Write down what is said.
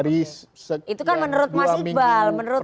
itu kan menurut mas iqbal